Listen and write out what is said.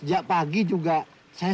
jangan lupa yayoi